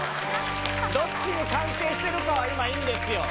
どっちに関係してるかは、今いいんですよ。